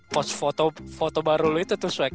post foto baru lu itu tuh swag